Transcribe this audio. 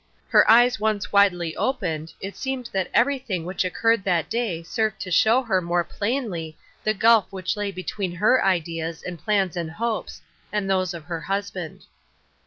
Her eyes once widely opened, it seemed that every thing which occured that day served to show her more plainly the gulf which lay between her ideas, and plans, and hopes, and those of her husband.